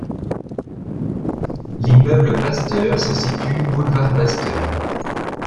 L'immeuble Pasteur se situe boulevard Pasteur.